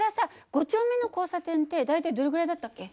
５丁目の交差点って大体どれぐらいだったっけ？